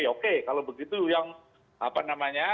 oke kalau begitu yang apa namanya